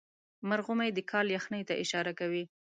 مرغومی د کال یخنۍ ته اشاره کوي.